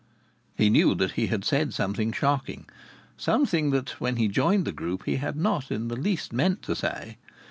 He knew that he had said something shocking, something that when he joined the group he had not in the least meant to say.